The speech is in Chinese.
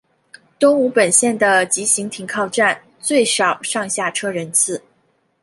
东武本线的急行停靠站最少上下车人次。